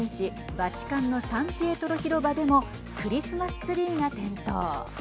バチカンのサンピエトロ広場でもクリスマスツリーが点灯。